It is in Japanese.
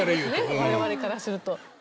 我々からすると。